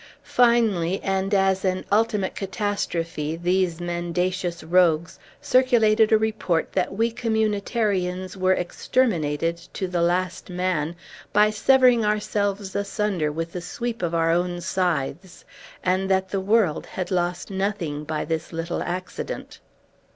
Finally, and as an ultimate catastrophe, these mendacious rogues circulated a report that we communitarians were exterminated, to the last man, by severing ourselves asunder with the sweep of our own scythes! and that the world had lost nothing by this little accident.